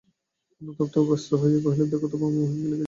অনুতপ্ত ও ব্যস্ত হইয়া কহিলেন, দেখো তো বউমা, মহিন কী লিখিয়াছে।